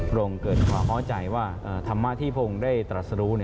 โรงเกิดขวาเข้าใจว่าธรรมที่พงษ์ได้ตราสรุ